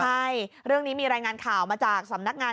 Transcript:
ใช่เรื่องนี้มีรายงานข่าวมาจากสำนักงาน